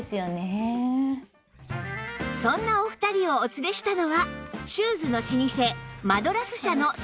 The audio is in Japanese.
そんなお二人をお連れしたのはシューズの老舗マドラス社のショールーム